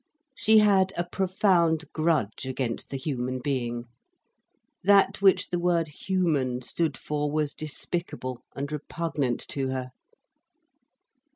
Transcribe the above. She had a profound grudge against the human being. That which the word "human" stood for was despicable and repugnant to her.